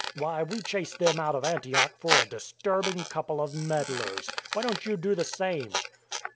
Why, we chased them out of Antioch for a disturbing couple of meddlers. Why don't you do the same?